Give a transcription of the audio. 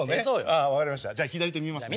ああ分かりました。